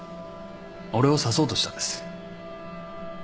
俺を刺そうとしたんです。